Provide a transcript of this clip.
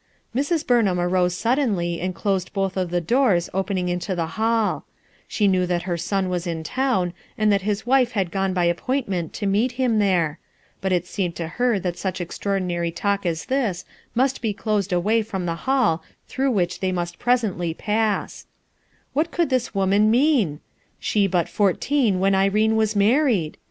&fn« Ilumham arose suddenly and closed both nf the doors owning into tho hall Sho knew that her mn was in town, and tliat his wife had gone by appoint merit to meet him there; but it farmed to her that nuch extraordinary talk M this CiUit be clased away from the hall through 200 HUTU ERSKINB'S HON which they mual presently }ma< What could this woman mean? She but fourteen when Irene wa« married?